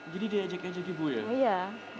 jadi diajak ajak ibu ya